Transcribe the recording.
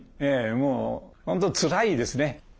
もう本当つらいですね。